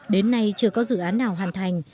đến nay chưa có dự án nào hoàn thành